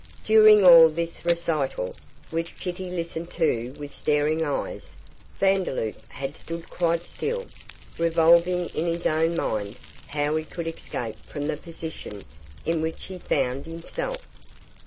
During all this recital, which Kitty listened to with staring eyes, Vandeloup had stood quite still, revolving in his own mind how he could escape from the position in which he found himself.